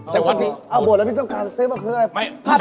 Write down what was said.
แต่ว่าพี่เอาบวชแล้วพี่เจ้าการซื้อว่าคืออะไร